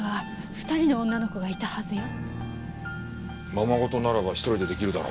ままごとならば１人で出来るだろ。